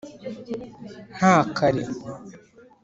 nta kare